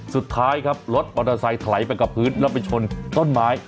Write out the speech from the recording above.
สุดท้ายครับรถมอเตอร์ไซค์ถลายไปกับพื้นแล้วไปชนต้นไม้